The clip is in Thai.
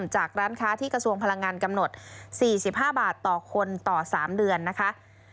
จากร้านค้าที่กระทรวงพลังงานกำหนด๔๕บาทต่อคนต่อ๓เดือนนะคะ